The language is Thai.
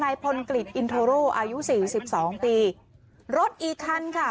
พลกฤษอินโทโรอายุสี่สิบสองปีรถอีกคันค่ะ